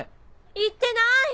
言ってない！